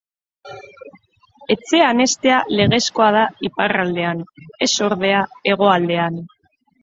Etxean heztea legezkoa da iparraldean, ez ordea hegoaldean.